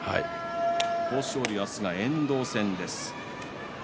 豊昇龍、明日は遠藤戦です。